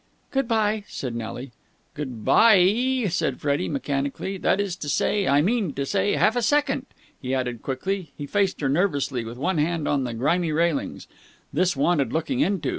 "Good bye," said Nelly. "Good bye ee!" said Freddie mechanically. "That's to say, I mean to say, half a second!" he added quickly. He faced her nervously, with one hand on the grimy railings. This wanted looking into.